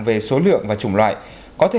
về số lượng và chủng loại có thể